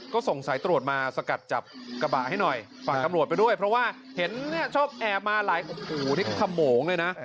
ก็ส่งสายตรวจมาสกัดจับกระบะให้หน่อยฝากตำรวจไปด้วยเพราะว่าเห็นเนี่ยชอบแอบมาหลายโอ้โหนี่ขโมงเลยนะ